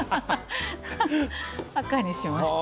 赤にしました。